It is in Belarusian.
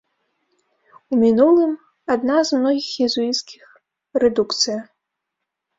У мінулым, адна з многіх езуіцкіх рэдукцыя.